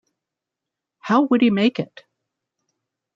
How would he make it?